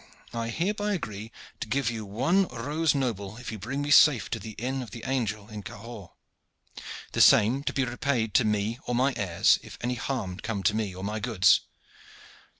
I hereby agree to give you one rose noble if you bring me safe to the inn of the 'Angel' in Cahors, the same to be repaid to me or my heirs if any harm come to me or my goods."